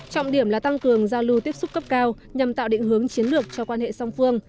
trọng điểm là tăng cường giao lưu tiếp xúc cấp cao nhằm tạo định hướng chiến lược cho quan hệ song phương